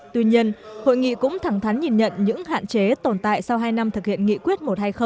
tuy nhiên hội nghị cũng thẳng thắn nhìn nhận những hạn chế tồn tại sau hai năm thực hiện nghị quyết một trăm hai mươi